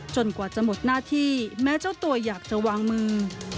กว่าจะหมดหน้าที่แม้เจ้าตัวอยากจะวางมือ